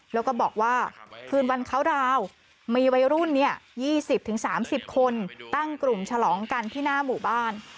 แล้วก็บอกว่าคืนวันเขาดาวน์มีวัยรุ่น๒๐๓๐คนตั้งกลุ่มฉลองกันที่หน้าหมู่บ้าน